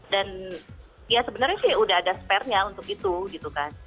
dan ya sebenarnya sih udah ada spare nya untuk itu gitu kan